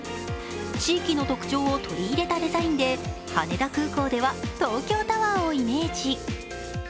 地域の特徴を取り入れたデザインで羽田空港では東京タワーをイメージ。